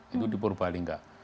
itu di purbalingga